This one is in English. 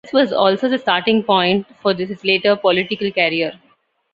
This was also the starting point for his later political career.